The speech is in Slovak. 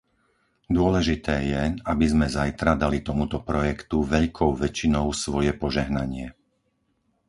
Dôležité je, aby sme zajtra dali tomuto projektu veľkou väčšinou svoje požehnanie.